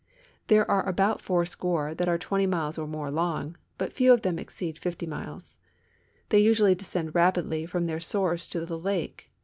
There are about fourscore that are 20 miles or more long, but few^ of them exceed 50 miles. They usually descend rapidly from their source to the lake.